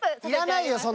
いらないよ